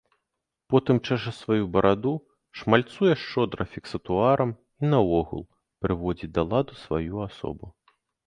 Потым чэша сваю бараду, шмальцуе шчодра фіксатуарам і наогул прыводзіць да ладу сваю асобу.